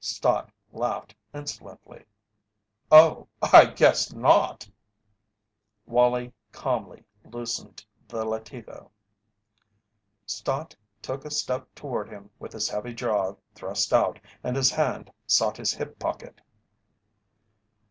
Stott laughed insolently. "Oh, I guess not!" Wallie calmly loosened the latigo. Stott took a step toward him with his heavy jaw thrust out and his hand sought his hip pocket.